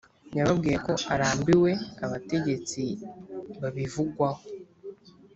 yababwiye ko "arambiwe" abategetsi babivugwaho